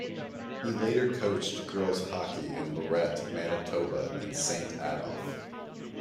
He later coached girls' hockey in Lorette, Manitoba and Saint Adolphe.